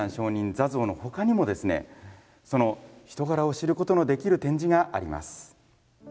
坐像の他にもその人柄を知ることのできる展示があります。